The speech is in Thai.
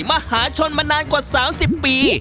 มหาชนมานานกว่า๓๐ปี